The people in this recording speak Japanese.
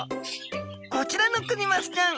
こちらのクニマスちゃん